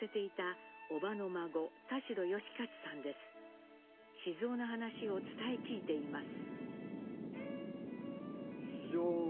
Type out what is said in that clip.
当時雄の話を伝え聞いています。